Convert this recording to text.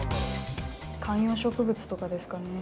観葉植物とかですかね。